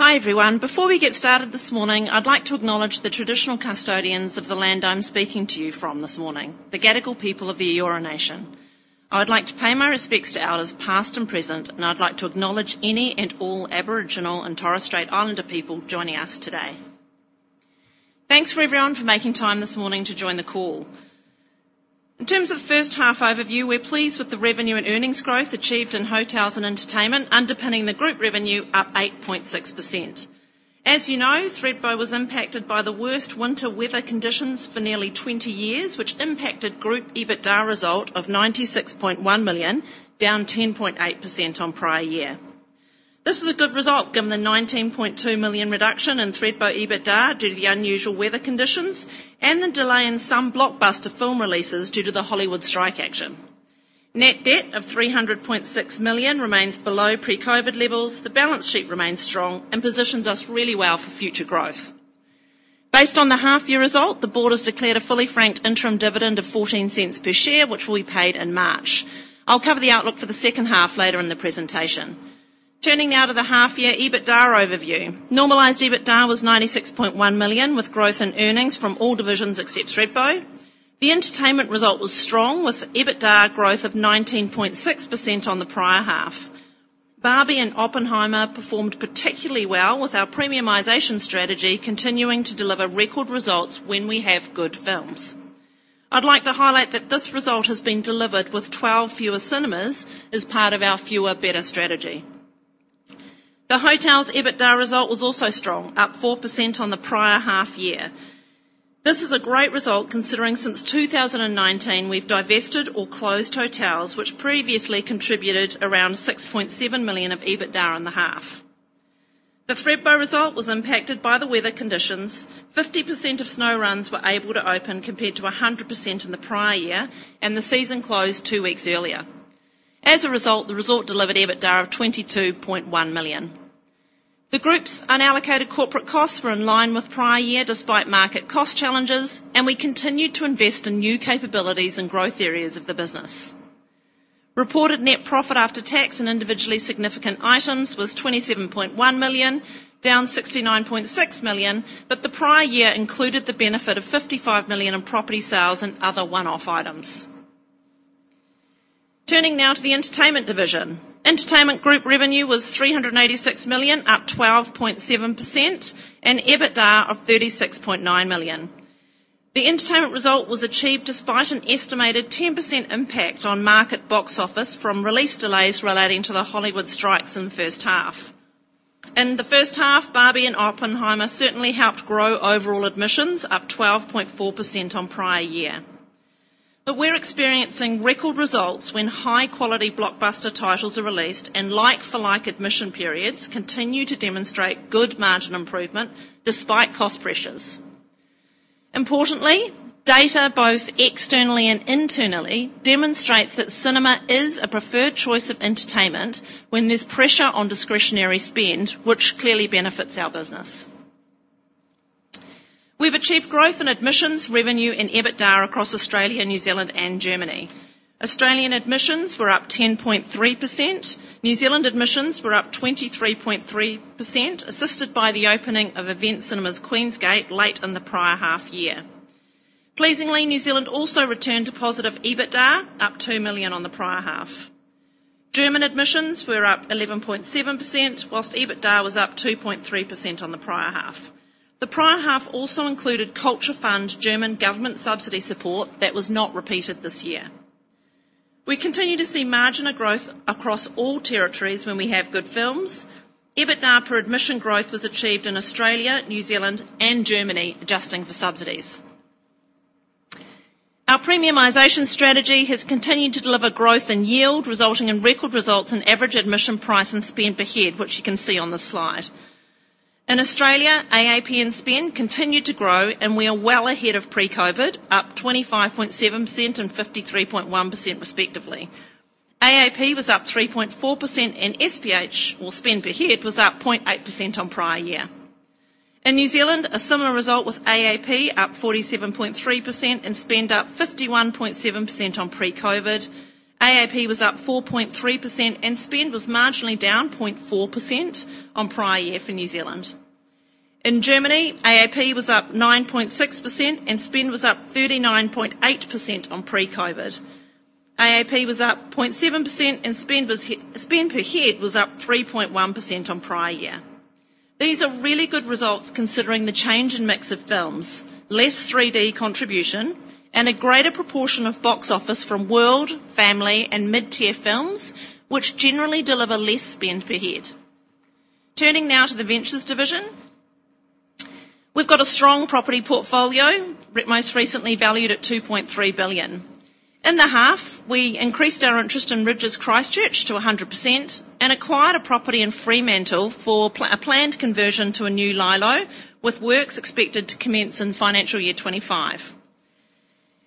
Hi everyone. Before we get started this morning, I'd like to acknowledge the traditional custodians of the land I'm speaking to you from this morning: the Gadigal people of the Eora Nation. I would like to pay my respects to elders past and present, and I'd like to acknowledge any and all Aboriginal and Torres Strait Islander people joining us today. Thanks for everyone for making time this morning to join the call. In terms of the first half overview, we're pleased with the revenue and earnings growth achieved in hotels and entertainment, underpinning the group revenue up 8.6%. As you know, Thredbo was impacted by the worst winter weather conditions for nearly 20 years, which impacted group EBITDA result of 96.1 million, down 10.8% on prior year. This is a good result given the 19.2 million reduction in Thredbo EBITDA due to the unusual weather conditions and the delay in some blockbuster film releases due to the Hollywood strike action. Net debt of 300.6 million remains below pre-COVID levels, the balance sheet remains strong, and positions us really well for future growth. Based on the half-year result, the Board has declared a fully franked interim dividend of 0.14 per share, which will be paid in March. I'll cover the outlook for the second half later in the presentation. Turning now to the half-year EBITDA overview. Normalized EBITDA was 96.1 million, with growth in earnings from all divisions except Thredbo. The entertainment result was strong, with EBITDA growth of 19.6% on the prior half. Barbie and Oppenheimer performed particularly well, with our premiumization strategy continuing to deliver record results when we have good films. I'd like to highlight that this result has been delivered with 12 fewer cinemas as part of our fewer better strategy. The hotels' EBITDA result was also strong, up 4% on the prior half-year. This is a great result considering since 2019 we've divested or closed hotels, which previously contributed around 6.7 million of EBITDA in the half. The Thredbo result was impacted by the weather conditions. 50% of snow runs were able to open compared to 100% in the prior year, and the season closed two weeks earlier. As a result, the result delivered EBITDA of 22.1 million. The group's unallocated corporate costs were in line with prior year despite market cost challenges, and we continued to invest in new capabilities and growth areas of the business. Reported net profit after tax and individually significant items was 27.1 million, down 69.6 million, but the prior year included the benefit of 55 million in property sales and other one-off items. Turning now to the entertainment division. Entertainment group revenue was 386 million, up 12.7%, and EBITDA of 36.9 million. The entertainment result was achieved despite an estimated 10% impact on market box office from release delays relating to the Hollywood strikes in the first half. In the first half, Barbie and Oppenheimer certainly helped grow overall admissions, up 12.4% on prior year. But we're experiencing record results when high-quality blockbuster titles are released and, like-for-like admission periods, continue to demonstrate good margin improvement despite cost pressures. Importantly, data, both externally and internally, demonstrates that cinema is a preferred choice of entertainment when there's pressure on discretionary spend, which clearly benefits our business. We've achieved growth in admissions, revenue, and EBITDA across Australia, New Zealand, and Germany. Australian admissions were up 10.3%. New Zealand admissions were up 23.3%, assisted by the opening of Event Cinemas Queensgate late in the prior half-year. Pleasingly, New Zealand also returned to positive EBITDA, up 2 million on the prior half. German admissions were up 11.7%, while EBITDA was up 2.3% on the prior half. The prior half also included Culture Fund German government subsidy support that was not repeated this year. We continue to see marginal growth across all territories when we have good films. EBITDA per admission growth was achieved in Australia, New Zealand, and Germany, adjusting for subsidies. Our premiumization strategy has continued to deliver growth in yield, resulting in record results in average admission price and spend per head, which you can see on the slide. In Australia, AAP and spend continued to grow, and we are well ahead of pre-COVID, up 25.7% and 53.1% respectively. AAP was up 3.4%, and SPH, or spend per head, was up 0.8% on prior year. In New Zealand, a similar result with AAP, up 47.3% and spend up 51.7% on pre-COVID. AAP was up 4.3%, and spend was marginally down 0.4% on prior year for New Zealand. In Germany, AAP was up 9.6%, and spend was up 39.8% on pre-COVID. AAP was up 0.7%, and spend per head was up 3.1% on prior year. These are really good results considering the change in mix of films, less 3D contribution, and a greater proportion of box office from world, family, and mid-tier films, which generally deliver less spend per head. Turning now to the ventures division. We've got a strong property portfolio, most recently valued at 2.3 billion. In the half, we increased our interest in Rydges Christchurch to 100% and acquired a property in Fremantle for a planned conversion to a new LyLo, with works expected to commence in financial year 2025.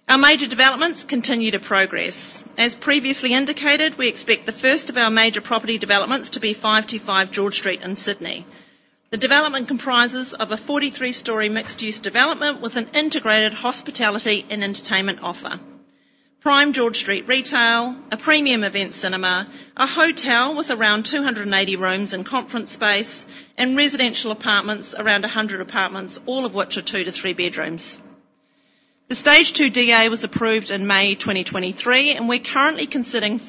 Our major developments continue to progress. As previously indicated, we expect the first of our major property developments to be 525 George Street in Sydney. The development comprises a 43-story mixed-use development with an integrated hospitality and entertainment offer, prime George Street retail, a premium event cinema, a hotel with around 280 rooms and conference space, and residential apartments, around 100 apartments, all of which are 2-3 bedrooms. The Stage Two DA was approved in May 2023, and we're currently considering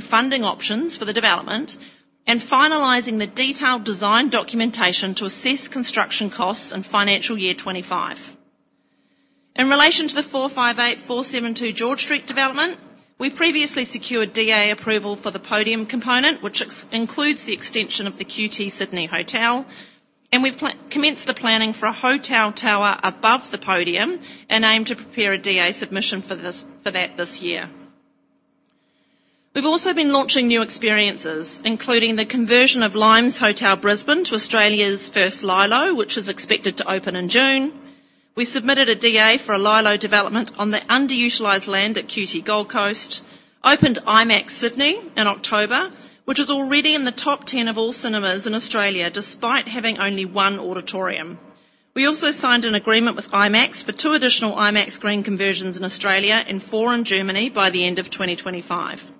funding options for the development and finalising the detailed design documentation to assess construction costs in financial year 2025. In relation to the 458-472 George Street development, we previously secured DA approval for the podium component, which includes the extension of the QT Sydney hotel, and we've commenced the planning for a hotel tower above the podium and aim to prepare a DA submission for that this year. We've also been launching new experiences, including the conversion of Limes Hotel Brisbane to Australia's first LyLo, which is expected to open in June. We submitted a DA for a LyLo development on the underutilized land at QT Gold Coast, opened IMAX Sydney in October, which is already in the top 10 of all cinemas in Australia despite having only one auditorium. We also signed an agreement with IMAX for two additional IMAX screen conversions in Australia and four in Germany by the end of 2025.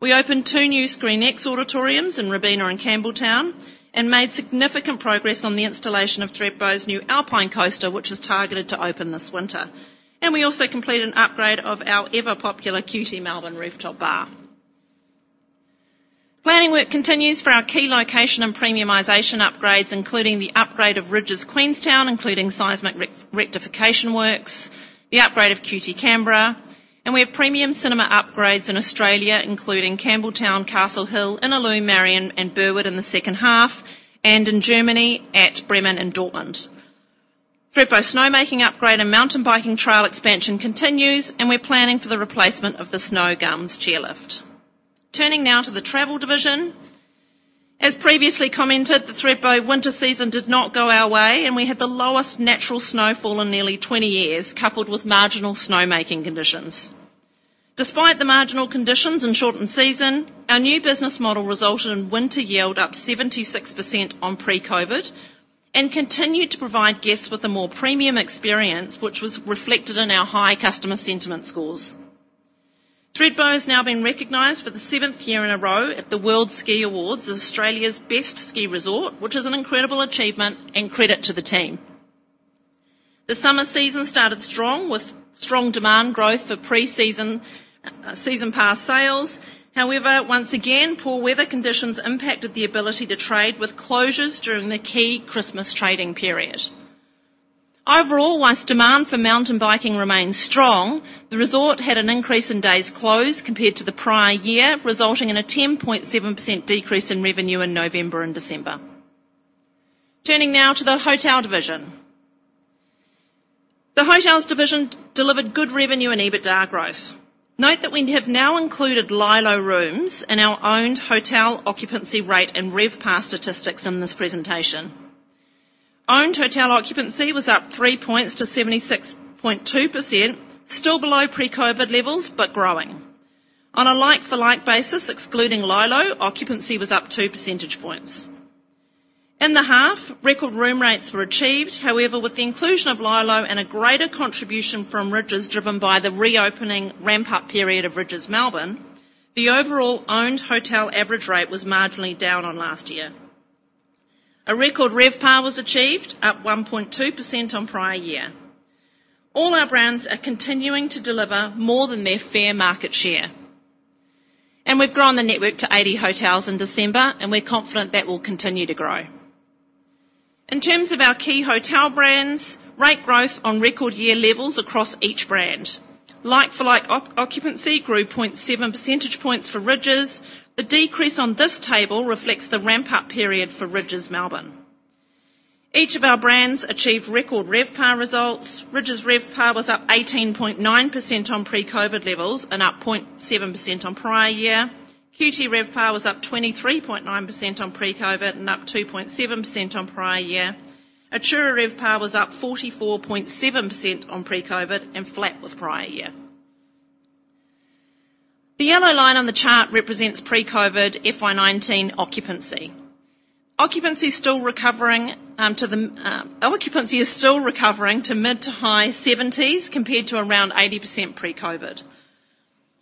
We opened two new ScreenX auditoriums in Robina and Campbelltown and made significant progress on the installation of Thredbo's new Alpine Coaster, which is targeted to open this winter. We also completed an upgrade of our ever-popular QT Melbourne Rooftop Bar. Planning work continues for our key location and premiumization upgrades, including the upgrade of Rydges Queenstown, including seismic rectification works, the upgrade of QT Canberra, and we have premium cinema upgrades in Australia, including Campbelltown, Castle Hill, Innaloo, Marion, and Burwood in the second half, and in Germany at Bremen and Dortmund. Thredbo's snowmaking upgrade and mountain biking trail expansion continues, and we're planning for the replacement of the Snowgums chairlift. Turning now to the travel division. As previously commented, the Thredbo winter season did not go our way, and we had the lowest natural snowfall in nearly 20 years, coupled with marginal snowmaking conditions. Despite the marginal conditions and shortened season, our new business model resulted in winter yield up 76% on pre-COVID and continued to provide guests with a more premium experience, which was reflected in our high customer sentiment scores. Thredbo has now been recognized for the seventh year in a row at the World Ski Awards as Australia's best ski resort, which is an incredible achievement and credit to the team. The summer season started strong, with strong demand growth for pre-season season pass sales. However, once again, poor weather conditions impacted the ability to trade, with closures during the key Christmas trading period. Overall, while demand for mountain biking remains strong, the resort had an increase in days closed compared to the prior year, resulting in a 10.7% decrease in revenue in November and December. Turning now to the hotel division. The hotels' division delivered good revenue and EBITDA growth. Note that we have now included LyLo rooms in our owned hotel occupancy rate and RevPAR statistics in this presentation. Owned hotel occupancy was up three points to 76.2%, still below pre-COVID levels but growing. On a like-for-like basis, excluding LyLo, occupancy was up 2 percentage points. In the half, record room rates were achieved. However, with the inclusion of LyLo and a greater contribution from Rydges driven by the reopening ramp-up period of Rydges Melbourne, the overall owned hotel average rate was marginally down on last year. A record RevPAR was achieved, up 1.2% on prior year. All our brands are continuing to deliver more than their fair market share. We've grown the network to 80 hotels in December, and we're confident that will continue to grow. In terms of our key hotel brands, rate growth on record year levels across each brand. Like-for-like occupancy grew 0.7 percentage points for Rydges. The decrease on this table reflects the ramp-up period for Rydges Melbourne. Each of our brands achieved record RevPAR results. Rydges RevPAR was up 18.9% on pre-COVID levels and up 0.7% on prior year. QT RevPAR was up 23.9% on pre-COVID and up 2.7% on prior year. Atura RevPAR was up 44.7% on pre-COVID and flat with prior year. The yellow line on the chart represents pre-COVID FY19 occupancy. Occupancy is still recovering to mid- to high 70s compared to around 80% pre-COVID.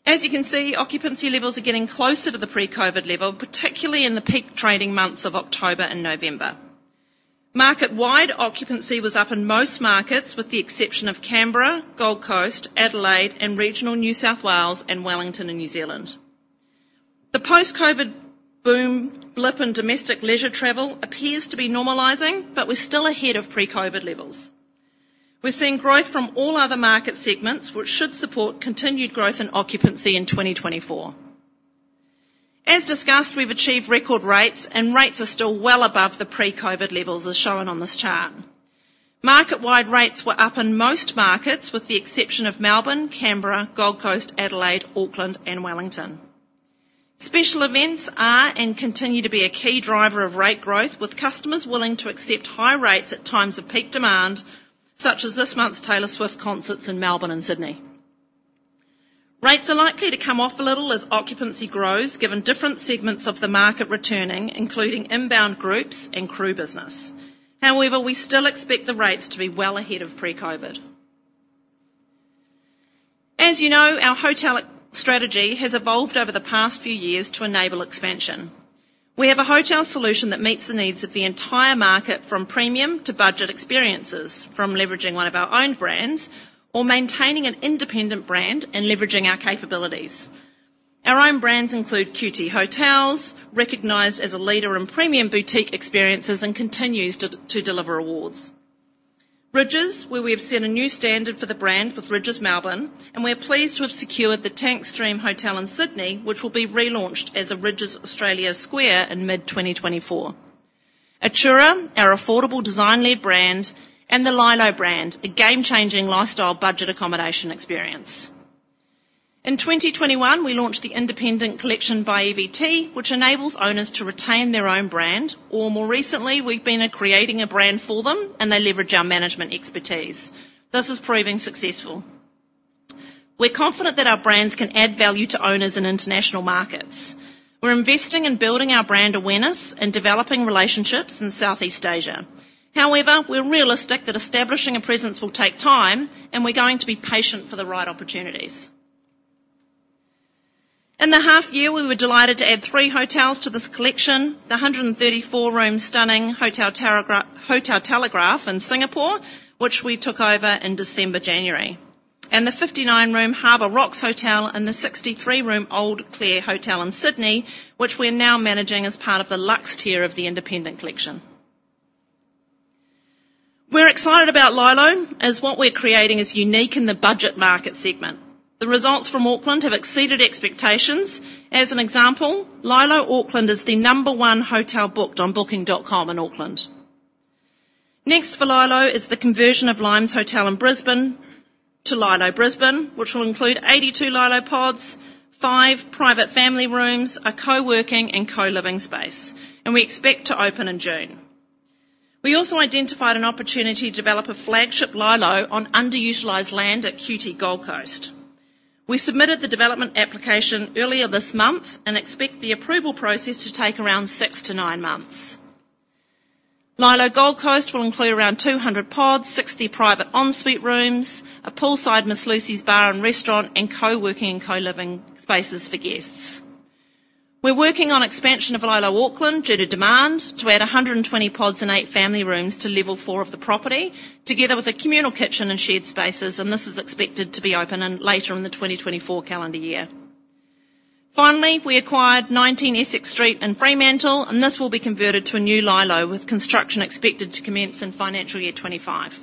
As you can see, occupancy levels are getting closer to the pre-COVID level, particularly in the peak trading months of October and November. Market-wide occupancy was up in most markets, with the exception of Canberra, Gold Coast, Adelaide, and regional New South Wales and Wellington in New Zealand. The post-COVID boom, blip, and domestic leisure travel appears to be normalizing, but we're still ahead of pre-COVID levels. We're seeing growth from all other market segments, which should support continued growth in occupancy in 2024. As discussed, we've achieved record rates, and rates are still well above the pre-COVID levels, as shown on this chart. Market-wide rates were up in most markets, with the exception of Melbourne, Canberra, Gold Coast, Adelaide, Auckland, and Wellington. Special events are and continue to be a key driver of rate growth, with customers willing to accept high rates at times of peak demand, such as this month's Taylor Swift concerts in Melbourne and Sydney. Rates are likely to come off a little as occupancy grows, given different segments of the market returning, including inbound groups and crew business. However, we still expect the rates to be well ahead of pre-COVID. As you know, our hotel strategy has evolved over the past few years to enable expansion. We have a hotel solution that meets the needs of the entire market, from premium to budget experiences, from leveraging one of our owned brands or maintaining an independent brand and leveraging our capabilities. Our owned brands include QT Hotels, recognized as a leader in premium boutique experiences, and continues to deliver awards. Rydges, where we have set a new standard for the brand with Rydges Melbourne, and we're pleased to have secured the Tank Stream Hotel in Sydney, which will be relaunched as a Rydges Australia Square in mid-2024. Atura, our affordable design-led brand, and the LyLo brand, a game-changing lifestyle budget accommodation experience. In 2021, we launched the Independent Collection by EVT, which enables owners to retain their own brand. Or more recently, we've been creating a brand for them, and they leverage our management expertise. This is proving successful. We're confident that our brands can add value to owners in international markets. We're investing in building our brand awareness and developing relationships in Southeast Asia. However, we're realistic that establishing a presence will take time, and we're going to be patient for the right opportunities. In the half-year, we were delighted to add 3 hotels to this collection: the 134-room stunning Hotel Telegraph in Singapore, which we took over in December/January, and the 59-room Harbour Rocks Hotel and the 63-room Old Clare Hotel in Sydney, which we are now managing as part of the luxe tier of the Independent Collection. We're excited about LyLo, as what we're creating is unique in the budget market segment. The results from Auckland have exceeded expectations. As an example, LyLo Auckland is the number one hotel booked on Booking.com in Auckland. Next for LyLo is the conversion of Limes Hotel in Brisbane to LyLo Brisbane, which will include 82 LyLo pods, 5 private family rooms, a coworking and co-living space, and we expect to open in June. We also identified an opportunity to develop a flagship LyLo on underutilized land at QT Gold Coast. We submitted the development application earlier this month and expect the approval process to take around 6-9 months. LyLo Gold Coast will include around 200 pods, 60 private en-suite rooms, a poolside Miss Lucy's bar and restaurant, and coworking and co-living spaces for guests. We're working on expansion of LyLo Auckland due to demand to add 120 pods and 8 family rooms to level 4 of the property, together with a communal kitchen and shared spaces. This is expected to be open later in the 2024 calendar year. Finally, we acquired 19 Essex Street in Fremantle, and this will be converted to a new LyLo, with construction expected to commence in financial year 2025.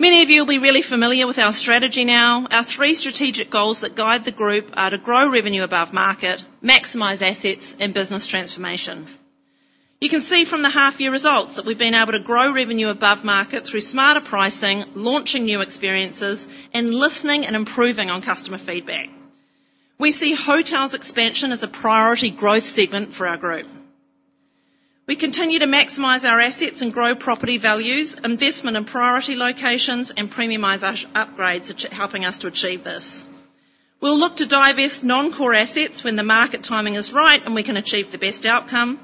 Many of you will be really familiar with our strategy now. Our three strategic goals that guide the group are to grow revenue above market, maximize assets, and business transformation. You can see from the half-year results that we've been able to grow revenue above market through smarter pricing, launching new experiences, and listening and improving on customer feedback. We see hotels' expansion as a priority growth segment for our group. We continue to maximize our assets and grow property values, investment in priority locations, and premiumize our upgrades, helping us to achieve this. We'll look to divest non-core assets when the market timing is right and we can achieve the best outcome.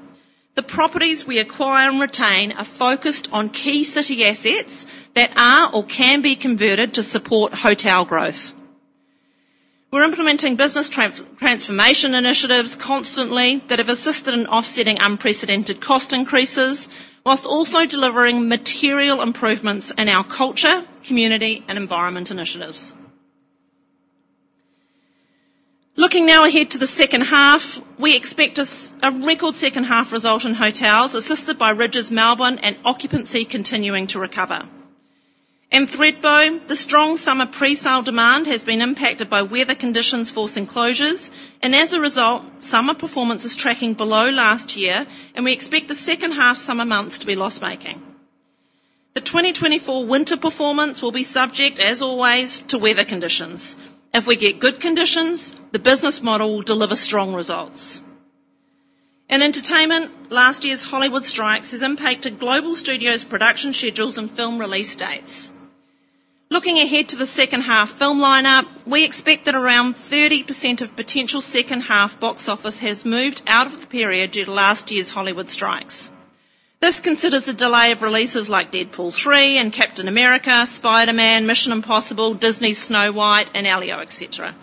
The properties we acquire and retain are focused on key city assets that are or can be converted to support hotel growth. We're implementing business transformation initiatives constantly that have assisted in offsetting unprecedented cost increases, while also delivering material improvements in our culture, community, and environment initiatives. Looking now ahead to the second half, we expect a record second-half result in hotels, assisted by Rydges Melbourne and occupancy continuing to recover. In Thredbo, the strong summer pre-sale demand has been impacted by weather conditions forcing closures, and as a result, summer performance is tracking below last year, and we expect the second-half summer months to be loss-making. The 2024 winter performance will be subject, as always, to weather conditions. If we get good conditions, the business model will deliver strong results. In entertainment, last year's Hollywood strikes has impacted global studios' production schedules and film release dates. Looking ahead to the second-half film lineup, we expect that around 30% of potential second-half box office has moved out of the period due to last year's Hollywood strikes. This considers a delay of releases like Deadpool 3 and Captain America, Spider-Man, Mission: Impossible, Disney's Snow White, and Elio, etc.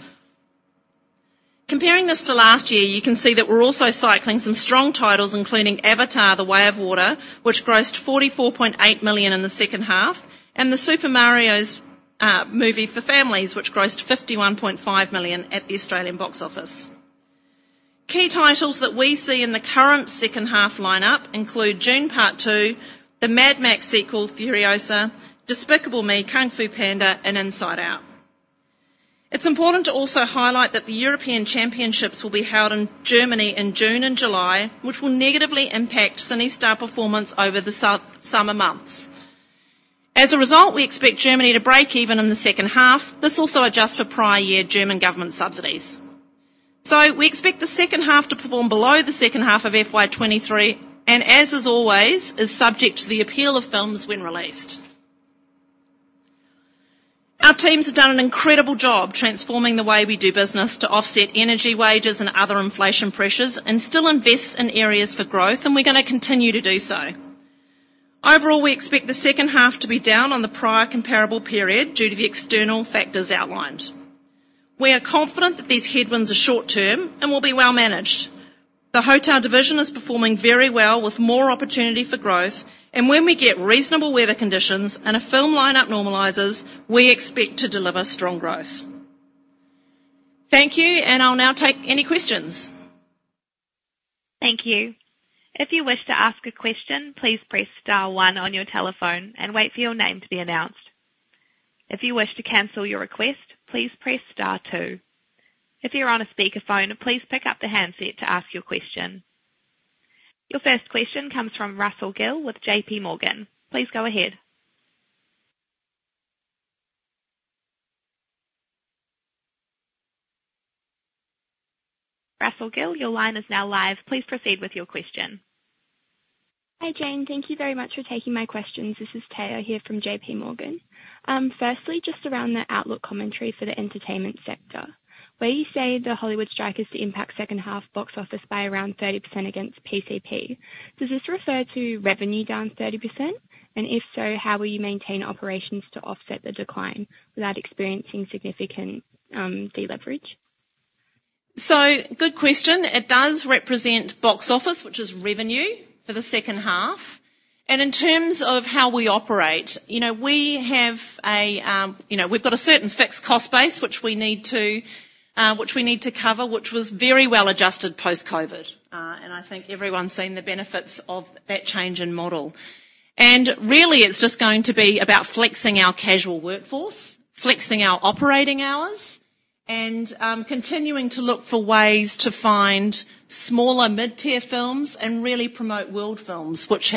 Comparing this to last year, you can see that we're also cycling some strong titles, including Avatar: The Way of Water, which grossed 44.8 million in the second half, and the Super Mario movie for families, which grossed 51.5 million at the Australian box office. Key titles that we see in the current second-half lineup include Dune: Part Two, the Mad Max sequel Furiosa, Despicable Me, Kung Fu Panda, and Inside Out. It's important to also highlight that the European Championships will be held in Germany in June and July, which will negatively impact CineStar performance over the summer months. As a result, we expect Germany to break even in the second half. This also adjusts for prior year German government subsidies. So we expect the second half to perform below the second half of FY23 and, as always, is subject to the appeal of films when released. Our teams have done an incredible job transforming the way we do business to offset energy wages and other inflation pressures and still invest in areas for growth, and we're going to continue to do so. Overall, we expect the second half to be down on the prior comparable period due to the external factors outlined. We are confident that these headwinds are short-term and will be well-managed. The hotel division is performing very well, with more opportunity for growth, and when we get reasonable weather conditions and a film lineup normalizes, we expect to deliver strong growth. Thank you, and I'll now take any questions. Thank you. If you wish to ask a question, please press Star One on your telephone and wait for your name to be announced. If you wish to cancel your request, please press Star Two. If you're on a speakerphone, please pick up the handset to ask your question. Your first question comes from Russell Gill with JPMorgan. Please go ahead. Russell Gill, your line is now live. Please proceed with your question. Hi Jane. Thank you very much for taking my questions. This is Teo here from JP Morgan. Firstly, just around the outlook commentary for the entertainment sector. Where you say the Hollywood strikes to impact second-half box office by around 30% against PCP, does this refer to revenue down 30%? And if so, how will you maintain operations to offset the decline without experiencing significant deleverage? So good question. It does represent box office, which is revenue, for the second half. And in terms of how we operate, we've got a certain fixed cost base which we need to cover, which was very well-adjusted post-COVID. And I think everyone's seen the benefits of that change in model. And really, it's just going to be about flexing our casual workforce, flexing our operating hours, and continuing to look for ways to find smaller mid-tier films and really promote world films, which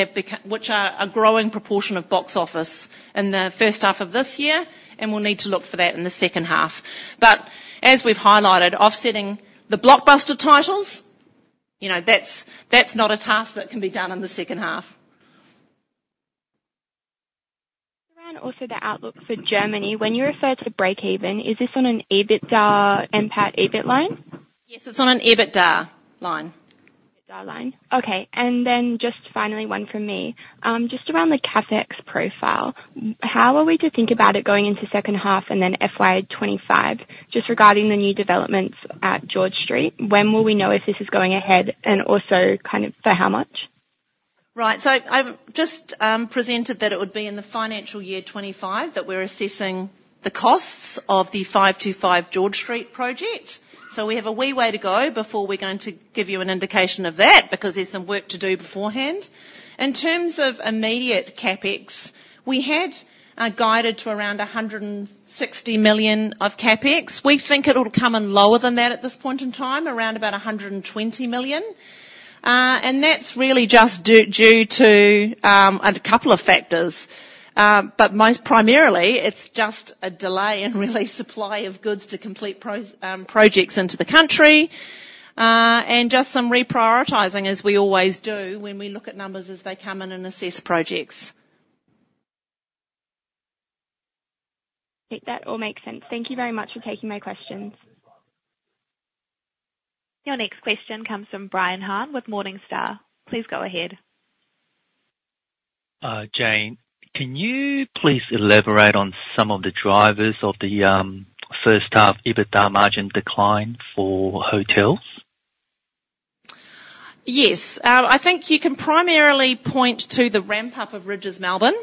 are a growing proportion of box office in the first half of this year. And we'll need to look for that in the second half. But as we've highlighted, offsetting the blockbuster titles, that's not a task that can be done in the second half. And also the outlook for Germany, when you refer to breakeven, is this on an EBITDA/NPAT/EBIT line? Yes, it's on an EBITDA line. EBITDA line. Okay. And then just finally, one from me. Just around the CAPEX profile, how are we to think about it going into second half and then FY25, just regarding the new developments at George Street? When will we know if this is going ahead and also kind of for how much? Right. So I've just presented that it would be in the financial year 2025 that we're assessing the costs of the 525 George Street project. So we have a wee way to go before we're going to give you an indication of that because there's some work to do beforehand. In terms of immediate CAPEX, we had guided to around 160 million of CAPEX. We think it'll come in lower than that at this point in time, around about 120 million. And that's really just due to a couple of factors. But primarily, it's just a delay in the supply of goods to complete projects into the country and just some reprioritizing, as we always do, when we look at numbers as they come in and assess projects. Okay. That all makes sense. Thank you very much for taking my questions. Your next question comes from Brian Han with Morningstar. Please go ahead. Jane, can you please elaborate on some of the drivers of the first-half EBITDA margin decline for hotels? Yes. I think you can primarily point to the ramp-up of Rydges Melbourne.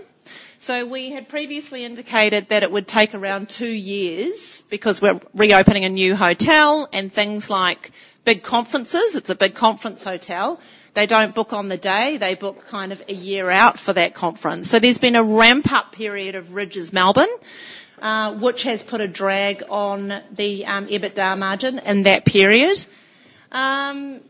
So we had previously indicated that it would take around two years because we're reopening a new hotel and things like big conferences, it's a big conference hotel, they don't book on the day. They book kind of a year out for that conference. So there's been a ramp-up period of Rydges Melbourne, which has put a drag on the EBITDA margin in that period. And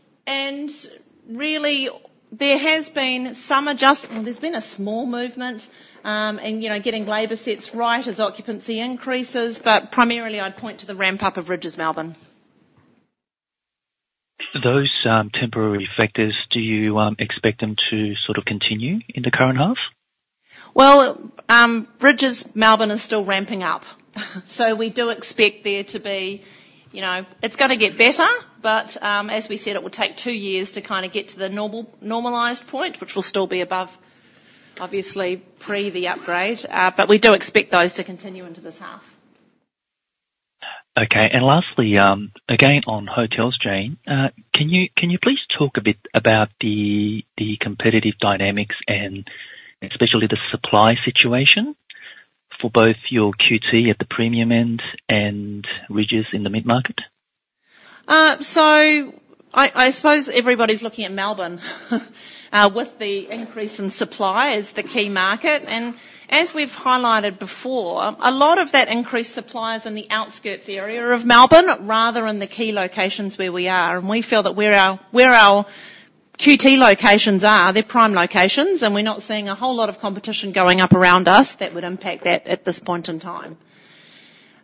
really, there has been some adjustments. Well, there's been a small movement in getting labor costs right as occupancy increases. But primarily, I'd point to the ramp-up of Rydges Melbourne. For those temporary factors, do you expect them to sort of continue in the current half? Well, Rydges Melbourne is still ramping up. So we do expect there to be, it's going to get better, but as we said, it will take two years to kind of get to the normalized point, which will still be above, obviously, pre the upgrade. But we do expect those to continue into this half. Okay. And lastly, again on hotels, Jane, can you please talk a bit about the competitive dynamics, and especially the supply situation, for both your QT at the premium end and Rydges in the mid-market? So I suppose everybody's looking at Melbourne with the increase in supply as the key market. And as we've highlighted before, a lot of that increased supply is in the outskirts area of Melbourne rather than the key locations where we are. And we feel that where our QT locations are, they're prime locations, and we're not seeing a whole lot of competition going up around us that would impact that at this point in time.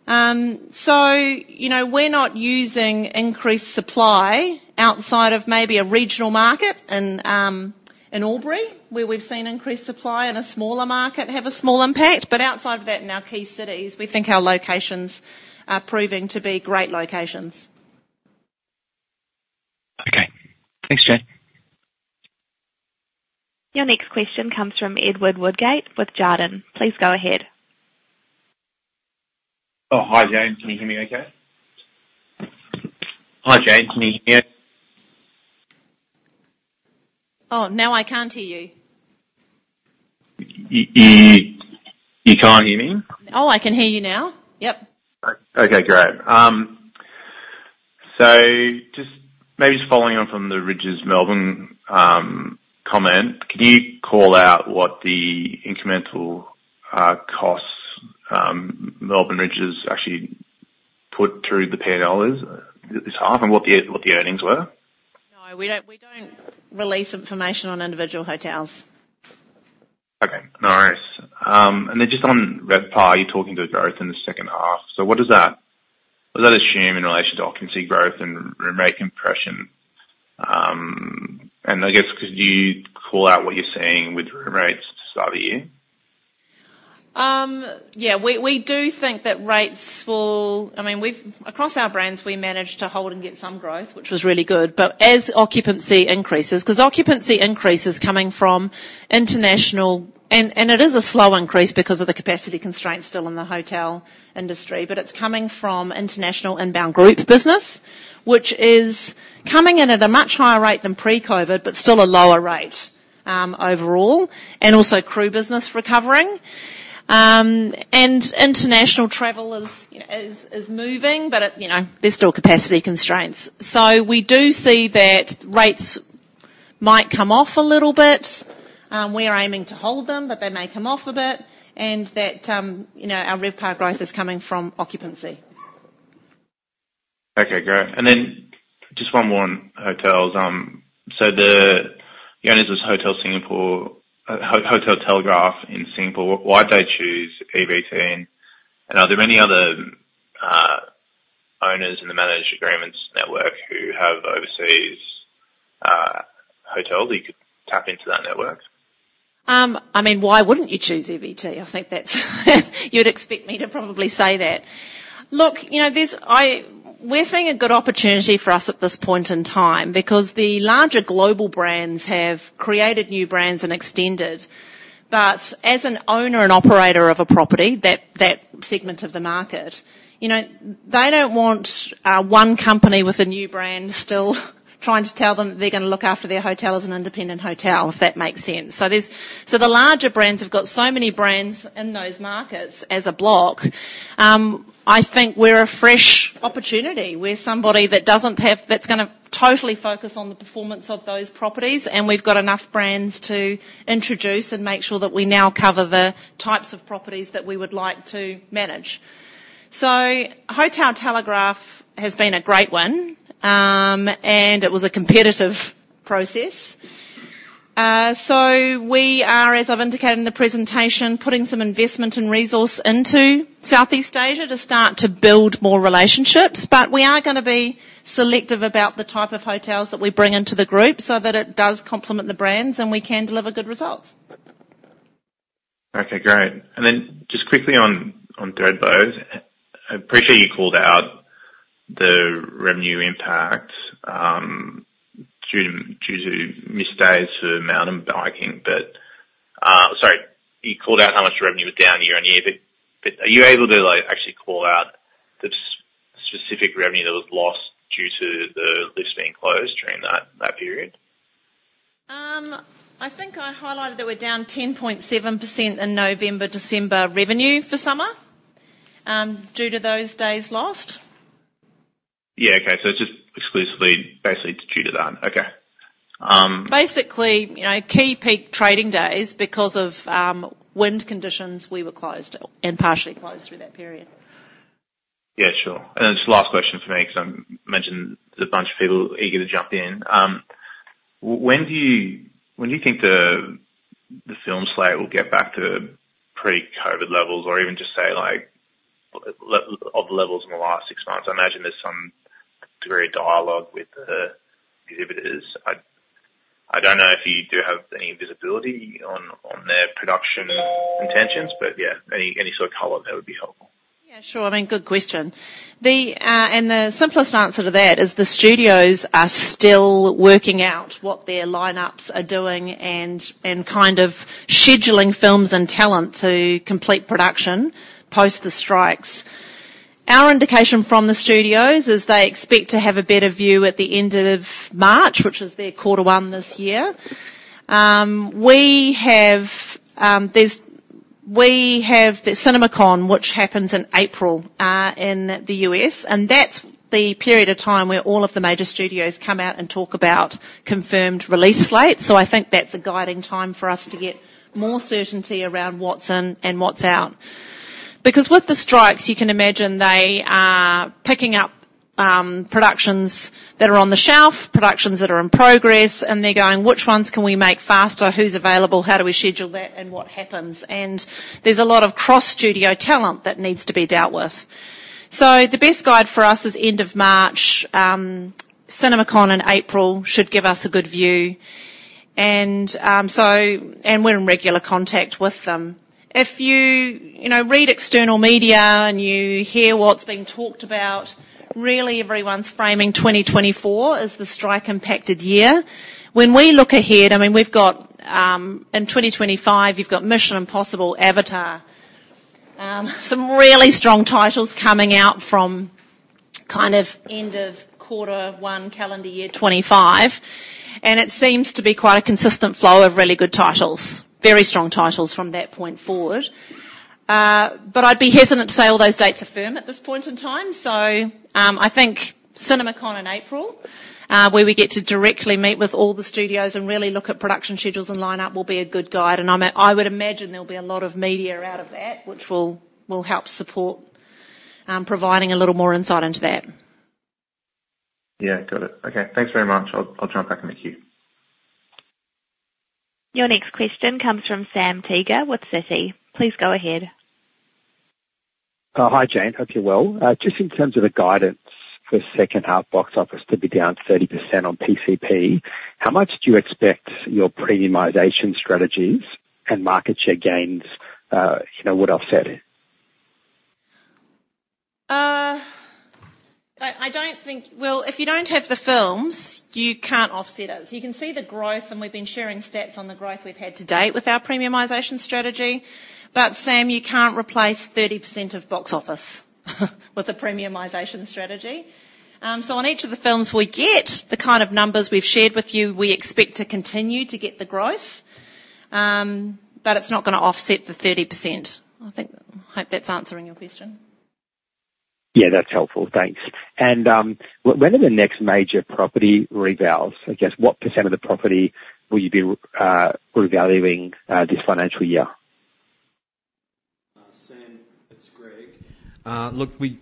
So we're not using increased supply outside of maybe a regional market in Albury, where we've seen increased supply, and a smaller market have a small impact. But outside of that in our key cities, we think our locations are proving to be great locations. Okay. Thanks, Jane. Your next question comes from Edward Woodgate with Jarden. Please go ahead. Oh, hi, Jane. Can you hear me okay? Hi, Jane. Can you hear me? Oh, now I can't hear you. You can't hear me? Oh, I can hear you now. Yep. Okay. Great. So maybe just following on from the Rydges Melbourne comment, can you call out what the incremental costs Melbourne Rydges actually put through the P&L this half and what the earnings were? No. We don't release information on individual hotels. Okay. No worries. And then just on Rydges, you're talking to growth in the second half. So what does that assume in relation to occupancy growth and room rate compression? And I guess, could you call out what you're seeing with room rates to start the year? Yeah. We do think that rates will, I mean, across our brands, we managed to hold and get some growth, which was really good. But as occupancy increases because occupancy increases coming from international and it is a slow increase because of the capacity constraints still in the hotel industry. But it's coming from international inbound group business, which is coming in at a much higher rate than pre-COVID but still a lower rate overall, and also crew business recovering. And international travel is moving, but there's still capacity constraints. So we do see that rates might come off a little bit. We're aiming to hold them, but they may come off a bit, and that our RevPAR growth is coming from occupancy. Okay. Great. And then just one more on hotels. So the owner was Hotel Telegraph in Singapore. Why'd they choose EVT? And are there any other owners in the managed agreements network who have overseas hotels that you could tap into that network? I mean, why wouldn't you choose EVT? I think that's what you would expect me to probably say that. Look, we're seeing a good opportunity for us at this point in time because the larger global brands have created new brands and extended. But as an owner and operator of a property, that segment of the market, they don't want one company with a new brand still trying to tell them they're going to look after their hotel as an independent hotel, if that makes sense. So the larger brands have got so many brands in those markets as a block. I think we're a fresh opportunity. We're somebody that's going to totally focus on the performance of those properties, and we've got enough brands to introduce and make sure that we now cover the types of properties that we would like to manage. So Hotel Telegraph has been a great one, and it was a competitive process. So we are, as I've indicated in the presentation, putting some investment and resource into Southeast Asia to start to build more relationships. But we are going to be selective about the type of hotels that we bring into the group so that it does complement the brands and we can deliver good results. Okay. Great. Then just quickly on Thredbo, I appreciate you called out the revenue impact due to missed days for mountain biking. But sorry, you called out how much revenue was down year on year. But are you able to actually call out the specific revenue that was lost due to the lifts being closed during that period? I think I highlighted that we're down 10.7% in November/December revenue for summer due to those days lost. Yeah. Okay. So it's just exclusively basically due to that. Okay. Basically, key peak trading days, because of wind conditions, we were closed and partially closed through that period. Yeah. Sure. And then just last question for me because I mentioned a bunch of people eager to jump in. When do you think the film slate will get back to pre-COVID levels or even just, say, of the levels in the last six months? I imagine there's some degree of dialogue with the exhibitors. I don't know if you do have any visibility on their production intentions. But yeah, any sort of color there would be helpful. Yeah. Sure. I mean, good question. The simplest answer to that is the studios are still working out what their lineups are doing and kind of scheduling films and talent to complete production post the strikes. Our indication from the studios is they expect to have a better view at the end of March, which is their quarter one this year. We have the CinemaCon, which happens in April in the U.S., and that's the period of time where all of the major studios come out and talk about confirmed release slates. So I think that's a guiding time for us to get more certainty around what's in and what's out. Because with the strikes, you can imagine they are picking up productions that are on the shelf, productions that are in progress, and they're going, "Which ones can we make faster? Who's available? How do we schedule that? And what happens?" There's a lot of cross-studio talent that needs to be dealt with. So the best guide for us is end of March. CinemaCon in April should give us a good view. We're in regular contact with them. If you read external media and you hear what's being talked about, really, everyone's framing 2024 as the strike-impacted year. When we look ahead, I mean, in 2025, you've got Mission: Impossible, Avatar, some really strong titles coming out from kind of end of quarter one calendar year 2025. It seems to be quite a consistent flow of really good titles, very strong titles from that point forward. But I'd be hesitant to say all those dates are firm at this point in time. I think CinemaCon in April, where we get to directly meet with all the studios and really look at production schedules and lineup, will be a good guide. I would imagine there'll be a lot of media out of that, which will help support providing a little more insight into that. Yeah. Got it. Okay. Thanks very much. I'll jump back in the queue. Your next question comes from Sam Teeger with Citi. Please go ahead. Hi, Jane. Hope you're well. Just in terms of the guidance for second-half box office to be down 30% on PCP, how much do you expect your premiumization strategies and market share gains would offset? I don't think, well, if you don't have the films, you can't offset it. So you can see the growth, and we've been sharing stats on the growth we've had to date with our premiumization strategy. But Sam, you can't replace 30% of box office with a premiumization strategy. So on each of the films we get, the kind of numbers we've shared with you, we expect to continue to get the growth, but it's not going to offset the 30%. I hope that's answering your question. Yeah. That's helpful. Thanks. When are the next major property revalues? I guess, what % of the property will you be revaluing this financial year? Sam, it's Greg. Look, we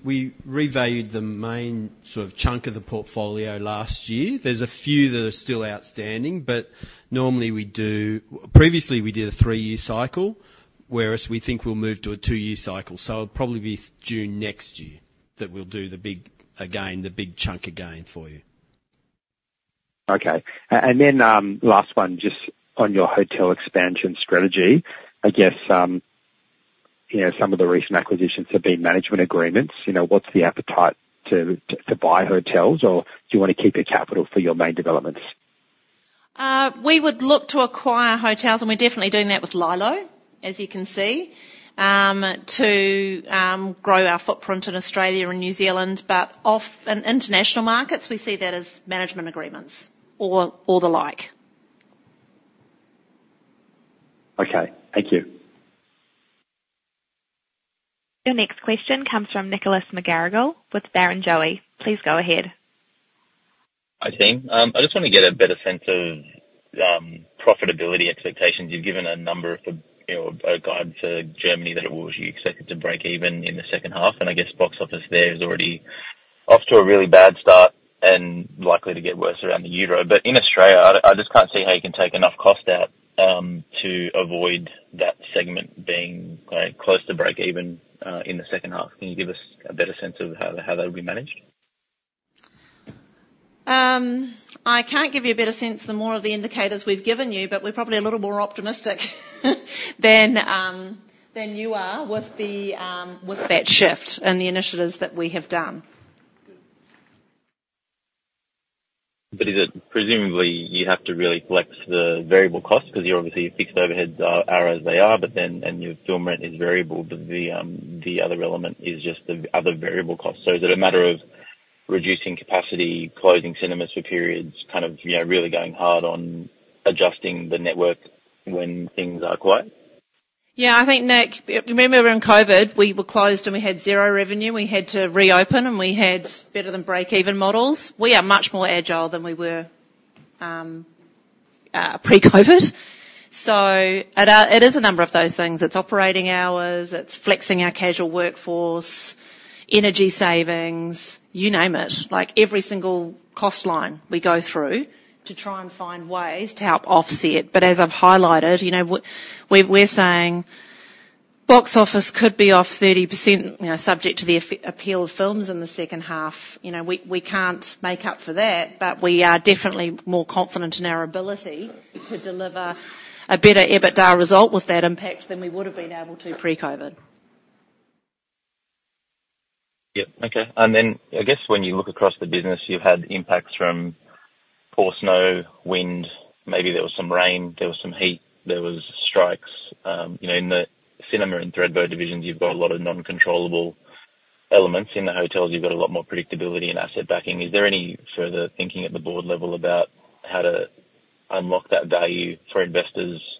revalued the main sort of chunk of the portfolio last year. There's a few that are still outstanding. But normally, previously, we did a three-year cycle, whereas we think we'll move to a two-year cycle. So it'll probably be June next year that we'll do again the big chunk of gain for you. Okay. And then last one, just on your hotel expansion strategy, I guess some of the recent acquisitions have been management agreements. What's the appetite to buy hotels, or do you want to keep your capital for your main developments? We would look to acquire hotels, and we're definitely doing that with LyLo, as you can see, to grow our footprint in Australia and New Zealand. In international markets, we see that as management agreements or the like. Okay. Thank you. Your next question comes from Nicholas McGarrigle with Barrenjoey. Please go ahead. Hi, Sam. I just want to get a better sense of profitability expectations. You've given a number of guides for Germany that you expected to break even in the second half. And I guess box office there is already off to a really bad start and likely to get worse around the Euro. But in Australia, I just can't see how you can take enough cost out to avoid that segment being close to break even in the second half. Can you give us a better sense of how that would be managed? I can't give you a better sense the more of the indicators we've given you, but we're probably a little more optimistic than you are with that shift and the initiatives that we have done. But presumably, you have to really flex the variable costs because obviously, your fixed overheads are as they are, and your film rent is variable. But the other element is just the other variable costs. So is it a matter of reducing capacity, closing cinemas for periods, kind of really going hard on adjusting the network when things are quiet? Yeah. I think, Nick, remember when COVID, we were closed and we had zero revenue. We had to reopen, and we had better-than-break-even models. We are much more agile than we were pre-COVID. So it is a number of those things. It's operating hours. It's flexing our casual workforce, energy savings, you name it. Every single cost line we go through to try and find ways to help offset it. But as I've highlighted, we're saying box office could be off 30% subject to the appeal of films in the second half. We can't make up for that, but we are definitely more confident in our ability to deliver a better EBITDA result with that impact than we would have been able to pre-COVID. Yeah. Okay. And then I guess when you look across the business, you've had impacts from poor snow, wind. Maybe there was some rain. There was some heat. There was strikes. In the cinema and Thredbo divisions, you've got a lot of non-controllable elements. In the hotels, you've got a lot more predictability and asset backing. Is there any further thinking at the Board level about how to unlock that value for investors,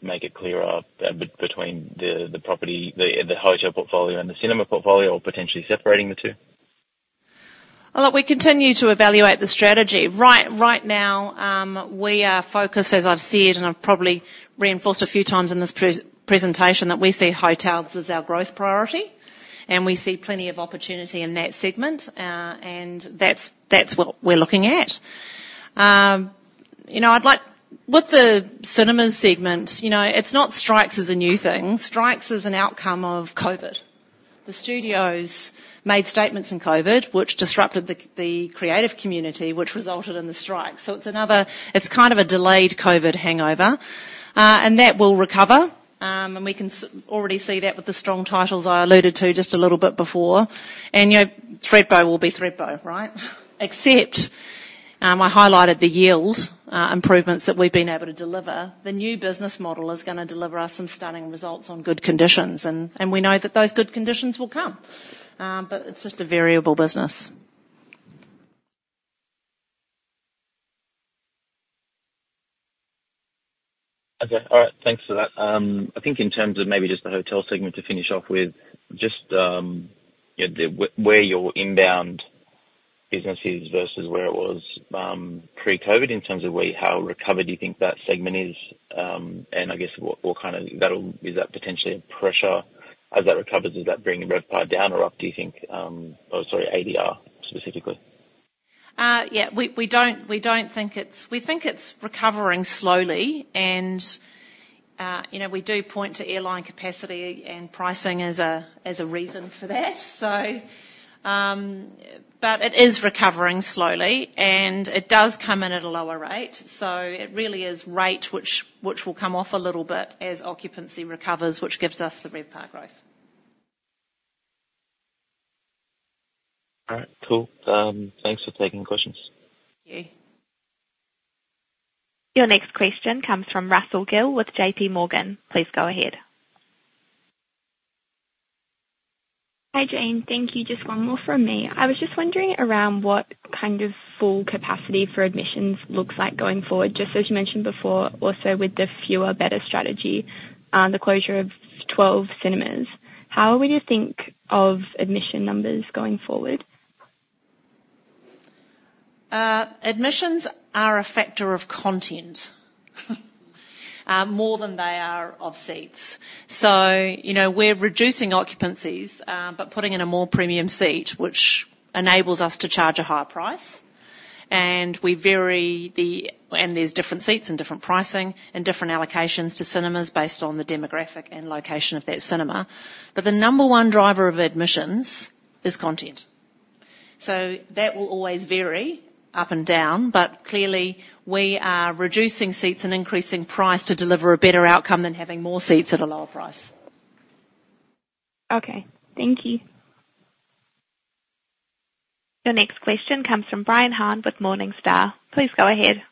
make it clearer between the hotel portfolio and the cinema portfolio, or potentially separating the two? Look, we continue to evaluate the strategy. Right now, we are focused, as I've said, and I've probably reinforced a few times in this presentation, that we see hotels as our growth priority, and we see plenty of opportunity in that segment. That's what we're looking at. With the cinema segment, it's not strikes as a new thing. Strikes is an outcome of COVID. The studios made statements in COVID, which disrupted the creative community, which resulted in the strikes. So it's kind of a delayed COVID hangover, and that will recover. We can already see that with the strong titles I alluded to just a little bit before. And Thredbo will be Thredbo, right? Except I highlighted the yield improvements that we've been able to deliver. The new business model is going to deliver us some stunning results on good conditions. We know that those good conditions will come. But it's just a variable business. Okay. All right. Thanks for that. I think in terms of maybe just the hotel segment to finish off with, just where your inbound business is versus where it was pre-COVID in terms of how recovered do you think that segment is? And I guess what kind of is that potentially a pressure? As that recovers, is that bringing RevPAR down or up, do you think? Oh, sorry, ADR specifically. Yeah. We think it's recovering slowly. We point to airline capacity and pricing as a reason for that. It is recovering slowly, and it does come in at a lower rate. It really is rate which will come off a little bit as occupancy recovers, which gives us the RevPAR growth. All right. Cool. Thanks for taking questions. Thank you. Your next question comes from Russell Gill with JPMorgan. Please go ahead. Hi, Jane. Thank you. Just one more from me. I was just wondering about what kind of full capacity for admissions looks like going forward. Just as you mentioned before, also with the fewer-better strategy, the closure of 12 cinemas, how would you think of admission numbers going forward? Admissions are a factor of content more than they are of seats. We're reducing occupancies but putting in a more premium seat, which enables us to charge a higher price. There's different seats and different pricing and different allocations to cinemas based on the demographic and location of that cinema. The number one driver of admissions is content. That will always vary up and down. Clearly, we are reducing seats and increasing price to deliver a better outcome than having more seats at a lower price. Okay. Thank you. Your next question comes from Brian Han with Morningstar. Please go ahead.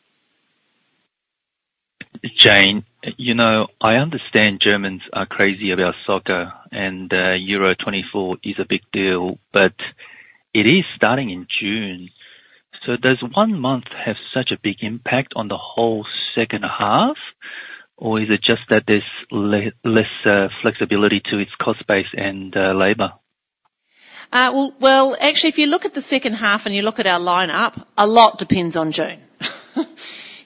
Jane, I understand Germans are crazy about soccer, and Euro 2024 is a big deal. But it is starting in June. So does one month have such a big impact on the whole second half, or is it just that there's less flexibility to its cost base and labor? Well, actually, if you look at the second half and you look at our lineup, a lot depends on June.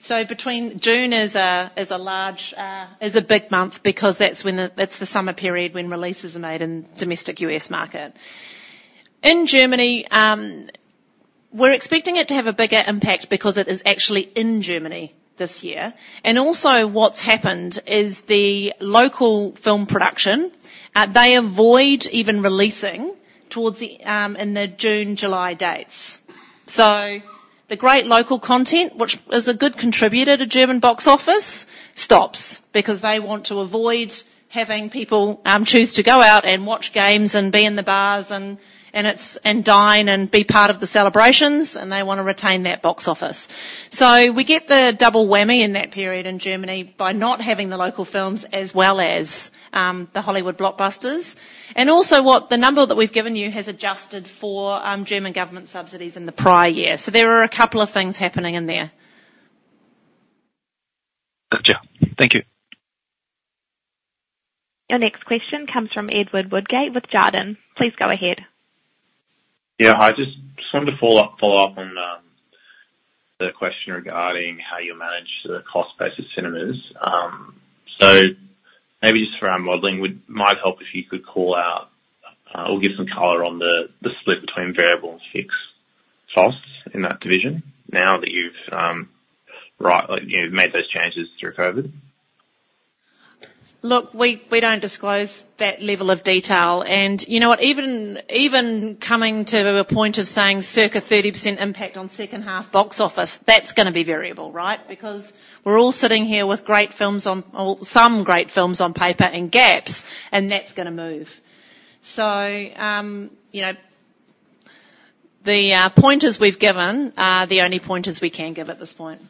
So June is a big month because that's the summer period when releases are made in the domestic U.S. market. In Germany, we're expecting it to have a bigger impact because it is actually in Germany this year. And also, what's happened is the local film production, they avoid even releasing in the June, July dates. So the great local content, which is a good contributor to German box office, stops because they want to avoid having people choose to go out and watch games and be in the bars and dine and be part of the celebrations. And they want to retain that box office. So we get the double whammy in that period in Germany by not having the local films as well as the Hollywood blockbusters. And also, the number that we've given you has adjusted for German government subsidies in the prior year. So there are a couple of things happening in there. Gotcha. Thank you. Your next question comes from Edward Woodgate with Jarden. Please go ahead. Yeah. Hi. Just wanted to follow up on the question regarding how you manage the cost base of cinemas. So maybe just for our modeling, it might help if you could call out or give some color on the split between variable and fixed costs in that division now that you've made those changes through COVID. Look, we don't disclose that level of detail. And you know what? Even coming to a point of saying circa 30% impact on second-half box office, that's going to be variable, right? Because we're all sitting here with some great films on paper and gaps, and that's going to move. So the pointers we've given are the only pointers we can give at this point.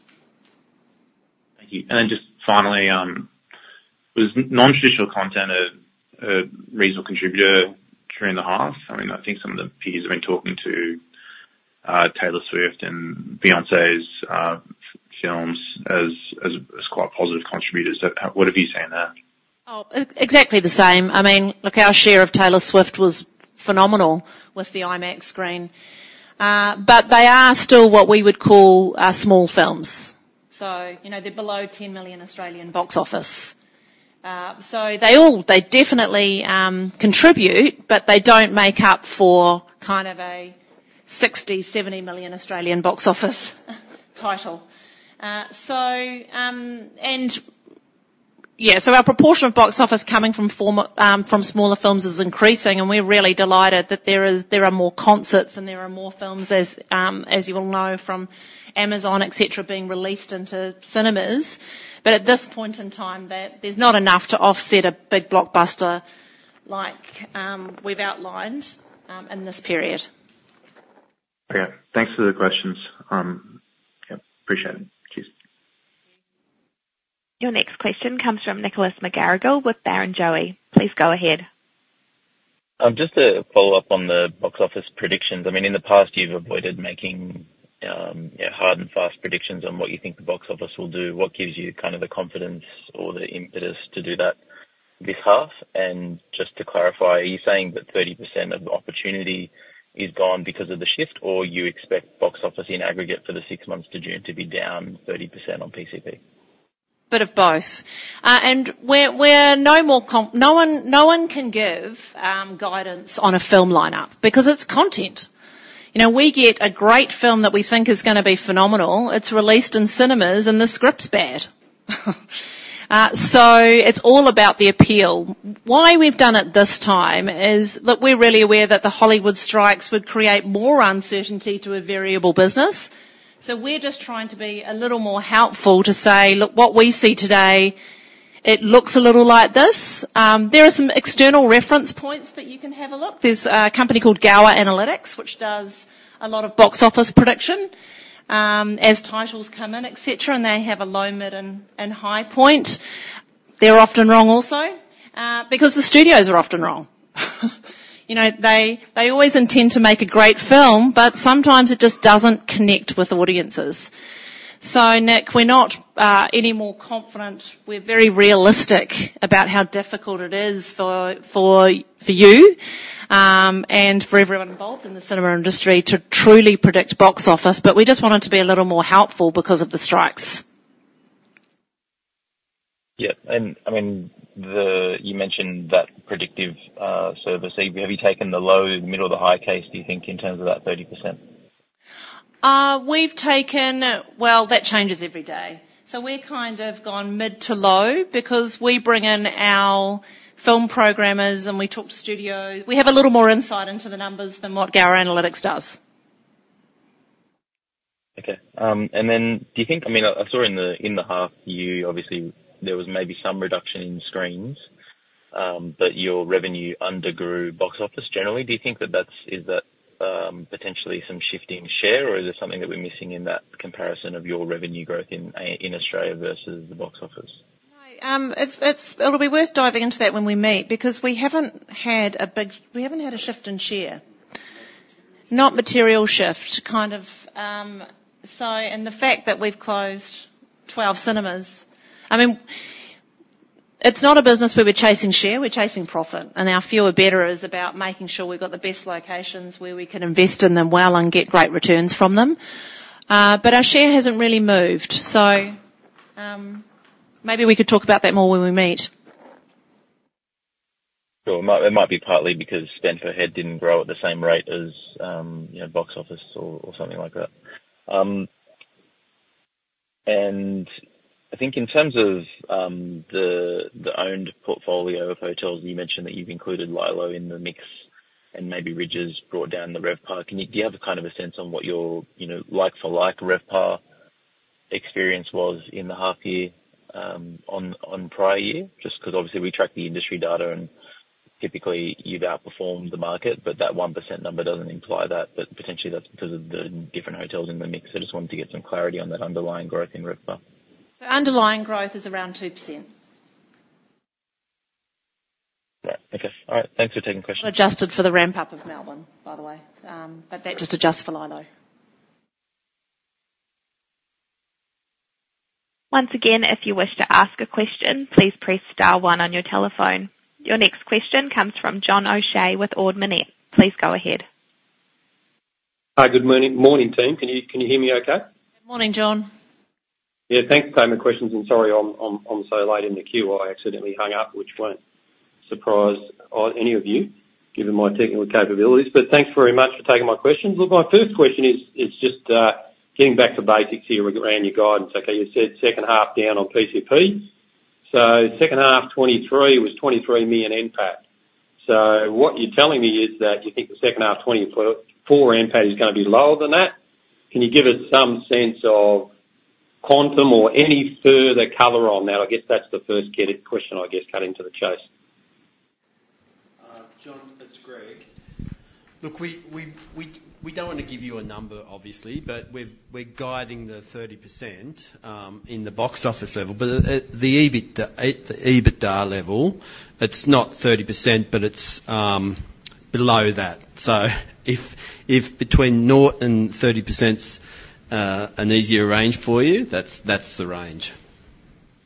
Thank you. And then just finally, was non-traditional content a reasonable contributor during the half? I mean, I think some of the PDs have been talking to Taylor Swift and Beyoncé's films as quite positive contributors. What have you seen there? Oh, exactly the same. I mean, look, our share of Taylor Swift was phenomenal with the IMAX screen. But they are still what we would call small films. So they're below 10 million Australian box office. So they definitely contribute, but they don't make up for kind of a 60 million-70 million Australian box office title. And yeah, so our proportion of box office coming from smaller films is increasing, and we're really delighted that there are more concerts and there are more films, as you will know, from Amazon, etc., being released into cinemas. But at this point in time, there's not enough to offset a big blockbuster like we've outlined in this period. Okay. Thanks for the questions. Yeah. Appreciate it. Cheers. Your next question comes from Nicholas McGarrigle with Barrenjoey. Please go ahead. Just to follow up on the box office predictions. I mean, in the past, you've avoided making hard and fast predictions on what you think the box office will do. What gives you kind of the confidence or the impetus to do that this half? And just to clarify, are you saying that 30% of opportunity is gone because of the shift, or you expect box office in aggregate for the six months to June to be down 30% on PCP? Bit of both. No one can give guidance on a film lineup because it's content. We get a great film that we think is going to be phenomenal. It's released in cinemas, and the script's bad. It's all about the appeal. Why we've done it this time is look, we're really aware that the Hollywood strikes would create more uncertainty to a variable business. We're just trying to be a little more helpful to say, "Look, what we see today, it looks a little like this." There are some external reference points that you can have a look. There's a company called Gower Street Analytics, which does a lot of box office prediction as titles come in, etc., and they have a low, mid, and high point. They're often wrong also because the studios are often wrong. They always intend to make a great film, but sometimes it just doesn't connect with audiences. So Nick, we're not any more confident. We're very realistic about how difficult it is for you and for everyone involved in the cinema industry to truly predict box office. But we just wanted to be a little more helpful because of the strikes. Yeah. And I mean, you mentioned that predictive service. Have you taken the low, middle, or the high case, do you think, in terms of that 30%? Well, that changes every day. So we're kind of gone mid to low because we bring in our film programmers, and we talk to studios. We have a little more insight into the numbers than what Gower Analytics does. Okay. And then do you think—I mean, I saw in the half, obviously, there was maybe some reduction in screens, but your revenue undergrew box office. Generally, do you think that is that potentially some shifting share, or is it something that we're missing in that comparison of your revenue growth in Australia versus the box office? No. It'll be worth diving into that when we meet because we haven't had a shift in share, not material shift, kind of. And the fact that we've closed 12 cinemas, I mean, it's not a business where we're chasing share. We're chasing profit. And our fewer-better is about making sure we've got the best locations where we can invest in them well and get great returns from them. But our share hasn't really moved. So maybe we could talk about that more when we meet. Sure. It might be partly because spend per head didn't grow at the same rate as box office or something like that. And I think in terms of the owned portfolio of hotels, you mentioned that you've included LyLo in the mix and maybe Rydges has brought down the RevPAR. Do you have kind of a sense on what your like-for-like RevPAR experience was in the half year on prior year? Just because obviously, we track the industry data, and typically, you've outperformed the market. But that 1% number doesn't imply that. But potentially, that's because of the different hotels in the mix. I just wanted to get some clarity on that underlying growth in RevPAR. Underlying growth is around 2%. Right. Okay. All right. Thanks for taking questions. Adjusted for the ramp-up of Melbourne, by the way. But that just adjusts for LyLo. Once again, if you wish to ask a question, please press star 1 on your telephone. Your next question comes from John O'Shea with Ord Minnett. Please go ahead. Hi. Good morning, team. Can you hear me okay? Morning, John. Yeah. Thanks for taking my questions. Sorry I'm so late in the queue. I accidentally hung up, which won't surprise any of you given my technical capabilities. But thanks very much for taking my questions. Look, my first question is just getting back to basics here around your guidance. Okay. You said second-half down on PCP. So second-half 2023 was 23 million NPAT. So what you're telling me is that you think the second-half 2024 NPAT is going to be lower than that. Can you give us some sense of quantum or any further color on that? I guess that's the first question, I guess, cutting to the chase. John, that's Greg. Look, we don't want to give you a number, obviously, but we're guiding the 30% in the box office level. But at the EBITDA level, it's not 30%, but it's below that. So if between 0 and 30% is an easier range for you, that's the range.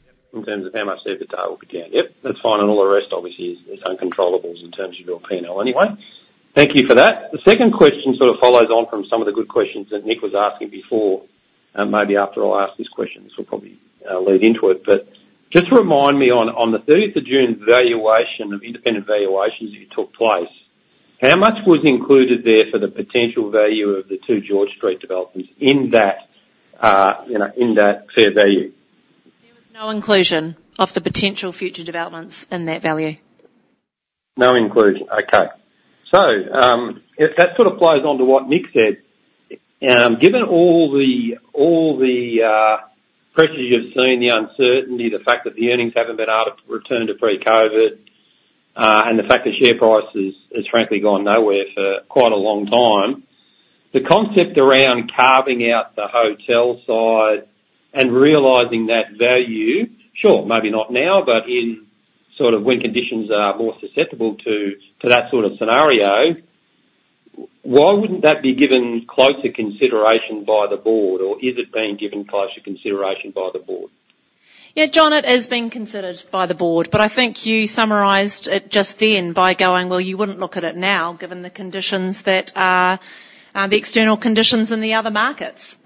Yep. In terms of how much EBITDA will be down. Yep. That's fine. And all the rest, obviously, is uncontrollables in terms of your P&L anyway. Thank you for that. The second question sort of follows on from some of the good questions that Nick was asking before. Maybe after I ask this question, this will probably lead into it. But just remind me on the 30th of June independent valuations that took place, how much was included there for the potential value of the two George Street developments in that fair value? There was no inclusion of the potential future developments in that value. No inclusion. Okay. So that sort of plays onto what Nick said. Given all the pressure you've seen, the uncertainty, the fact that the earnings haven't been able to return to pre-COVID, and the fact that share price has, frankly, gone nowhere for quite a long time, the concept around carving out the hotel side and realizing that value sure, maybe not now, but sort of when conditions are more susceptible to that sort of scenario, why wouldn't that be given closer consideration by the Board, or is it being given closer consideration by the Board? Yeah. John, it is being considered by the Board. But I think you summarised it just then by going, "Well, you wouldn't look at it now given the conditions that are the external conditions in the other markets.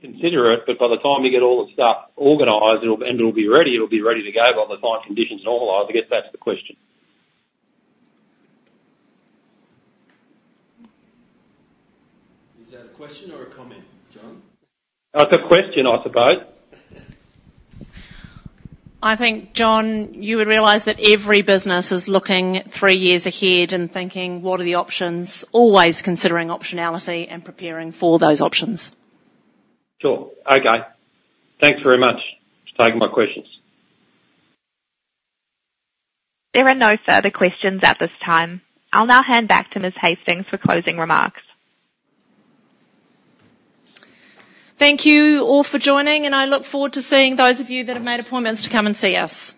Consider it. But by the time you get all the stuff organized and it'll be ready, it'll be ready to go by the time conditions normalize. I guess that's the question. Is that a question or a comment, John? It's a question, I suppose. I think, John, you would realize that every business is looking three years ahead and thinking, "What are the options?" always considering optionality and preparing for those options. Sure. Okay. Thanks very much for taking my questions. There are no further questions at this time. I'll now hand back to Ms. Hastings for closing remarks. Thank you all for joining, and I look forward to seeing those of you that have made appointments to come and see us.